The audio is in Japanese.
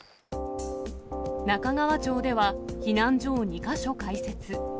中川町では避難所を２か所開設。